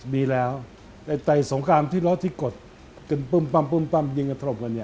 มีแล้วแต่สงครามที่เราที่กดกันปุ้มปุ้มปุ้มปุ้มยังจะทรมกันนี่